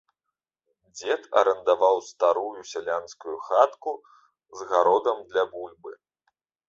Дзед арандаваў старую сялянскую хатку з гародам для бульбы.